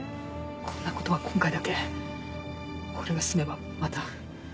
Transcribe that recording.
こんなことは今回だけこれが済めばまた。